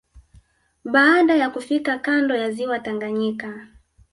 Baada ya kufika kando ya ziwa Tanganyika